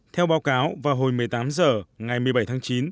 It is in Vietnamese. theo báo cáo vào hồi một mươi tám h ngày một mươi bảy tháng chín